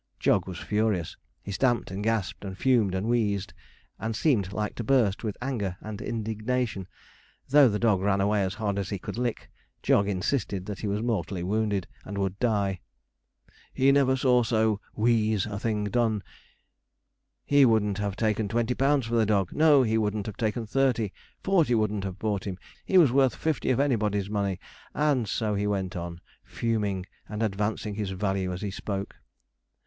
Jog was furious. He stamped, and gasped, and fumed, and wheezed, and seemed like to burst with anger and indignation. Though the dog ran away as hard as he could lick, Jog insisted that he was mortally wounded, and would die. 'He never saw so (wheeze) a thing done. He wouldn't have taken twenty pounds for the dog. No, he wouldn't have taken thirty. Forty wouldn't have bought him. He was worth fifty of anybody's money,' and so he went on, fuming and advancing his value as he spoke.